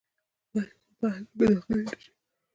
باید اوبه په محلول کې داخلې نه شي.